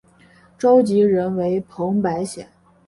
召集人为彭百显。